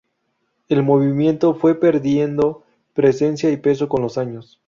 El movimiento fue perdiendo presencia y peso con los años.